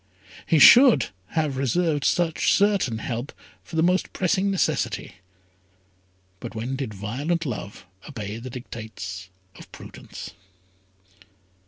He should have reserved such certain help for the most pressing necessity; but when did violent love obey the dictates of prudence?